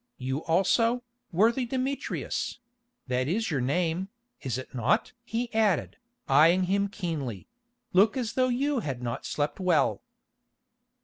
"You also, worthy Demetrius—that is your name, is it not?" he added, eyeing him keenly—"look as though you had not slept well."